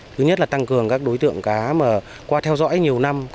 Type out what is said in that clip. thứ nhất là tăng cường các đối tượng cá mà qua theo dõi nhiều năm